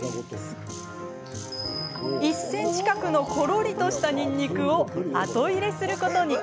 １ｃｍ角のころりとしたにんにくを後入れすることに。